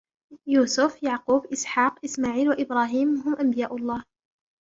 يوسف، يعقوب، إسحاق، إسماعيل و إبراهيم هم أنبياء الله.